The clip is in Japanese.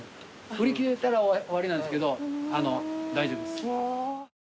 売り切れたら終わりなんですけど大丈夫です。